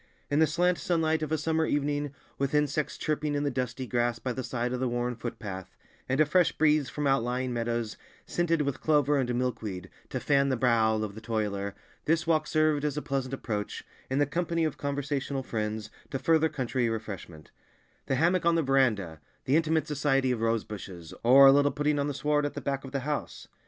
In the slant sunlight of a summer evening, with insects chirping in the dusty grass by the side of the worn foot path, and a fresh breeze from outlying meadows scented with clover and milkweed to fan the brow of the toiler, this walk served as a pleasant approach, in the company of conversational friends, to further country refreshment—the hammock on the verandah, the intimate society of rosebushes, or a little putting on the sward at the back of the house.